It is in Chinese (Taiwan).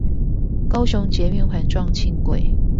高雄捷運環狀輕軌